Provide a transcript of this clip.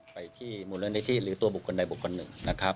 ไปที่มูลนิธิหรือตัวบุคคลใดบุคคลหนึ่งนะครับ